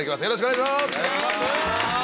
よろしくお願いします！